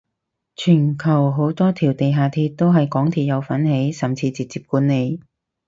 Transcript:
全球好多條地下鐵都係港鐵有份起甚至直接管理